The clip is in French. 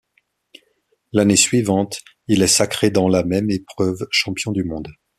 L'année suivante, il est sacré dans la même épreuve champion du monde.